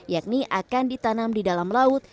yakni akan ditanam di dalam laut